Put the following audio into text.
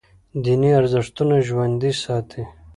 دیني ارزښتونه ژوندي ساتي.